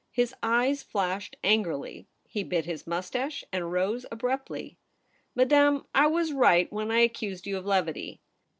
His eyes flashed angrily. He bit his moustache and rose abruptly. * Madame, I was right when I accused you of levity.'